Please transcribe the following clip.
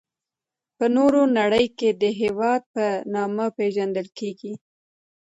په نوره نړي کي د هیواد په نامه پيژندل کيږي.